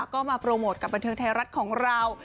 ก็มาโปรโมทกับบันเทิงไทยรัฐของเรา